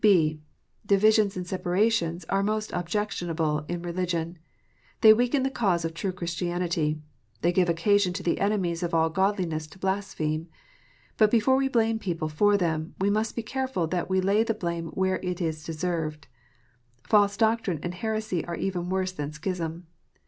(b) Divisions and separations are most objectionable in religion. They weaken the cause of true Christianity. They give occasion to the enemies of all godliness to blaspheme. But before we blame people for them, we must be careful that we lay the blame where it is deserved. False doctrine and heresy are even worse than schism.